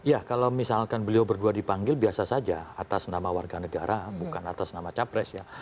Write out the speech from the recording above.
ya kalau misalkan beliau berdua dipanggil biasa saja atas nama warga negara bukan atas nama capres ya